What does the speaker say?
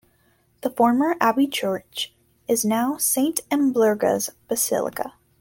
The former abbey church is now Saint Amelberga's Basilica.